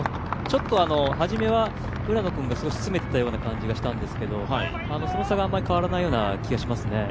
初めは浦野君が少し詰めていたような感じがしたんですけど、その差があまり変わらないような気がしますね。